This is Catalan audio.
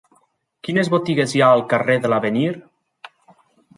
Quines botigues hi ha al carrer de l'Avenir?